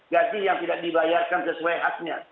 gaji yang tidak dibayarkan sesuai haknya